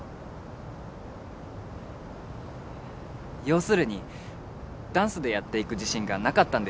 要するにダンスでやっていく自信がなかったんですよ。